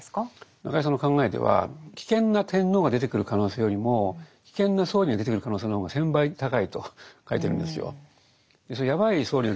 中井さんの考えでは危険な天皇が出てくる可能性よりも危険な総理が出てくる可能性の方が１，０００倍高いと書いてるんですよ。